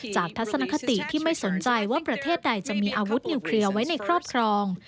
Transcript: ทัศนคติที่ไม่สนใจว่าประเทศใดจะมีอาวุธนิวเคลียร์ไว้ในครอบครอง